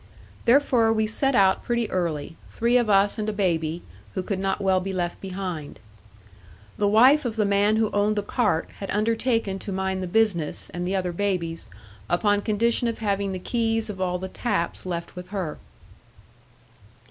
Therefore, we set out pretty early, three of us and a baby, who could not well be left behind. The wife of the man who owned the cart had undertaken to mind the business, and the other babies, upon condition of having the keys of all the taps left with her.